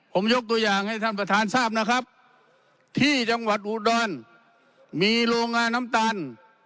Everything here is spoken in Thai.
ผมยกตัวอย่างให้ท่านประธานทราบนะครับที่จังหวัดอุดรมีโรงงานน้ำตาล